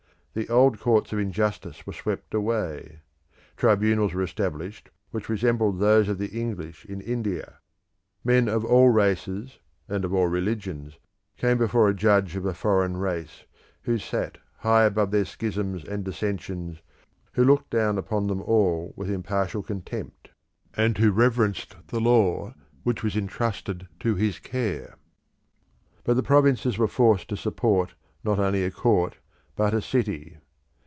The old courts of injustice were swept away. Tribunals were established which resembled those of the English in India. Men of all races, and of all religions, came before a judge of a foreign race, who sat high above their schisms and dissensions, who looked down upon them all with impartial contempt, and who reverenced the law which was entrusted to his care. But the provinces were forced to support not only a court but a city.